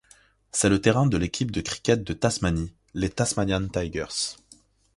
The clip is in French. C'est le terrain de l'équipe de cricket de Tasmanie, les Tasmanian Tigers.